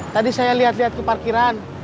tadi saya lihat lihat ke parkiran